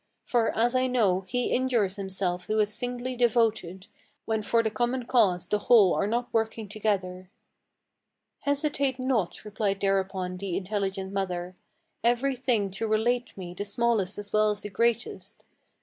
For, as I know, he injures himself who is singly devoted, When for the common cause the whole are not working together." "Hesitate not," replied thereupon the intelligent mother, "Every thing to relate me, the smallest as well as the greatest.